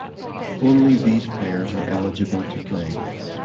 Only these players are eligible to play.